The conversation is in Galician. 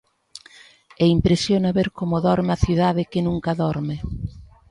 E impresiona ver como dorme a cidade que nunca dorme.